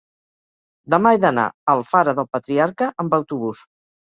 Demà he d'anar a Alfara del Patriarca amb autobús.